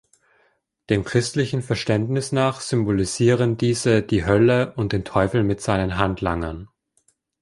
Dem christlichen Verständnis nach symbolisieren diese die Hölle und den Teufel mit seinen Handlangern.